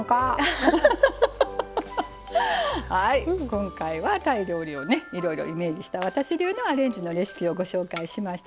今回はタイ料理をいろいろイメージした私流のアレンジのレシピをご紹介しましたけれども。